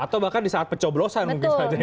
atau bahkan di saat pencoblosan mungkin saja